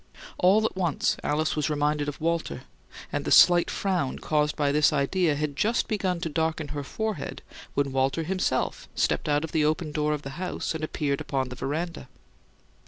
All at once Alice was reminded of Walter; and the slight frown caused by this idea had just begun to darken her forehead when Walter himself stepped out of the open door of the house and appeared upon the veranda.